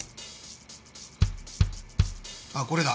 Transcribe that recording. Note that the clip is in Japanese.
あこれだ。